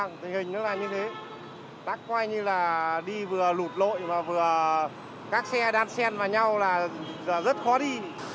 nhìn nó là như thế tắc quay như là đi vừa lụt lội và vừa các xe đang chen vào nhau là rất khó đi